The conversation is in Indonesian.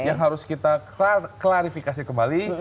yang harus kita klarifikasi kembali